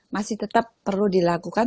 masih tetap perlu dilakukan